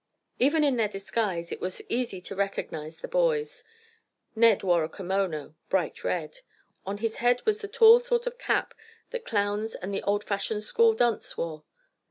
Even in their disguise it was easy to recognize the boys. Ned wore a kimono—bright red. On his head was the tall sort of cap that clowns and the old fashioned school dunce wore.